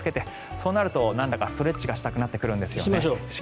そうなるとなんだかストレッチがしたくなってくるんですね。